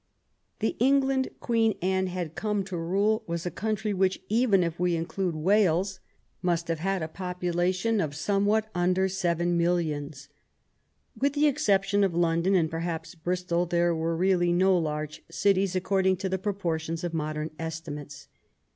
The England Queen Anne had come to rule was a country which, even if we include Wales, must have 26 WHAT THE QUEEN CAME TO— AT HOME had a population of somewliat under seven millions. With the exception of London, and perhaps Bristol, there were really no large cities according to the pro portions of modem estimates.